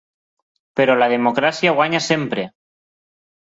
Però la democràcia guanya sempre!